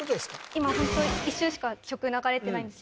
今ホント一瞬しか曲流れてないんです